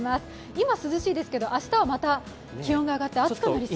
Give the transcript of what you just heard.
今、涼しいですけど明日はまた気温が上がって暑くなりそう。